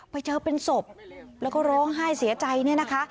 ไปเจอเป็นศพแล้วก็ร้องไห้เสียใจเนี่ยนะคะ